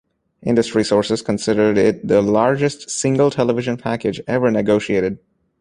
Industry sources considered it the largest single television package ever negotiated.